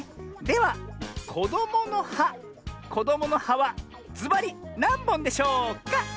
ではこどもの「は」こどもの「は」はずばりなんぼんでしょうか？